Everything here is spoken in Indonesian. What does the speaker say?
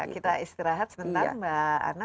kita istirahat sebentar mbak anna